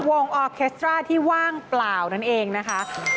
ออเคสตราที่ว่างเปล่านั่นเองนะคะ